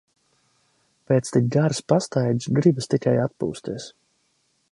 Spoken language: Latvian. Pēc tik garas pastaigas gribas tikai atpūsties.